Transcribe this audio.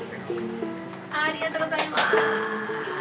ありがとうございます！